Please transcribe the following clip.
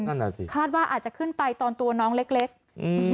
นั่นแหละสิคาดว่าอาจจะขึ้นไปตอนตัวน้องเล็กเล็กอืม